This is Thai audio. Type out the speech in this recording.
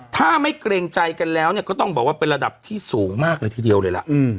ถ้าไม่เกรงใจกันแล้วก็ต้องบอกว่าเป็นระดับที่สูงมากเลยทีเดียวเลยล่ะ